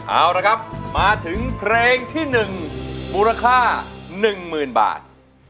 เอาละครับมาถึงเพลงที่๑มูลค่า๑๐๐๐บาท